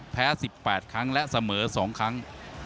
แพ้๑๘ครั้งและเสมอ๒ครั้ง